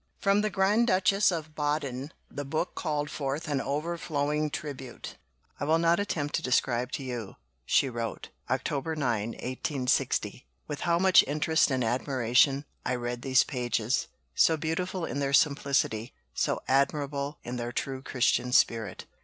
From the Grand Duchess of Baden the book called forth an overflowing tribute. "I will not attempt to describe to you," she wrote (Oct. 9, 1860), "with how much interest and admiration I read these pages, so beautiful in their simplicity, so admirable in their true Christian spirit.